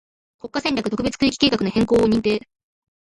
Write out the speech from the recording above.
国家戦略特別区域計画の変更を認定